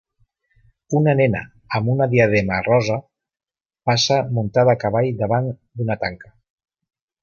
Una nena amb una diadema rosa passa muntada a cavall davant d'una tanca.